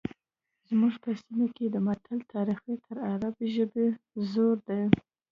زموږ په سیمه کې د متل تاریخ تر عربي ژبې زوړ دی